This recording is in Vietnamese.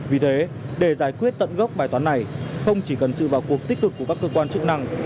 vì thế để giải quyết tận gốc bài toán này không chỉ cần sự vào cuộc tích cực của các cơ quan chức năng